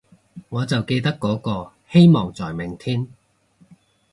我就記得嗰個，希望在明天